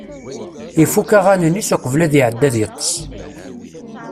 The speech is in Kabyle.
Ifukk aɣanen-is uqbel ad iɛeddi ad yeṭṭes.